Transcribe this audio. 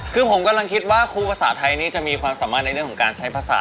คือผมกำลังคิดว่าครูภาษาไทยนี่จะมีความสามารถในเรื่องของการใช้ภาษา